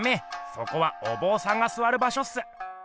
そこはおぼうさんがすわる場しょっす。